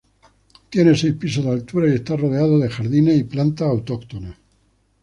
Tiene seis pisos de altura y está rodeado de jardines y plantas autóctonas.